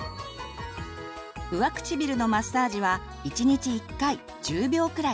上唇のマッサージは１日１回１０秒くらい。